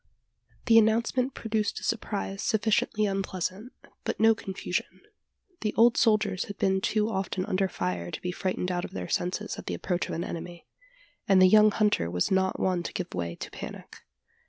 The announcement produced a surprise sufficiently unpleasant, but no confusion. The old soldiers had been too often under fire to be frightened out of their senses at the approach of an enemy; and the young hunter was not one to give way to a panic.